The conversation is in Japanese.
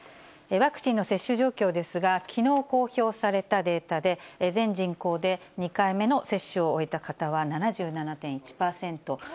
ワクチンの接種状況ですが、きのう公表されたデータで、全人口で２回目の接種を終えた方は７７．１％。